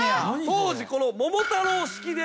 当時この桃太郎式で。